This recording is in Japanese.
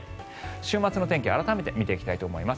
週末の天気改めて見ていきたいと思います。